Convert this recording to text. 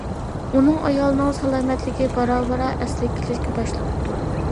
ئۇنىڭ ئايالىنىڭ سالامەتلىكى بارا-بارا ئەسلىگە كېلىشكە باشلاپتۇ.